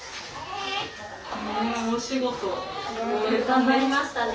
頑張りましたね。